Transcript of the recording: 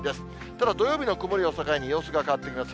ただ、土曜日の曇りを境に、様子が変わってきます。